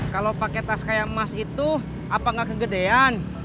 kalau pakai tas kayak emas itu apa nggak kegedean